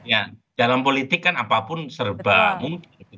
ya dalam politik kan apapun serba mungkin